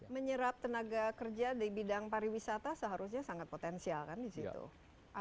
menyerap tenaga kerja di bidang pariwisata seharusnya sangat potensial kan di situ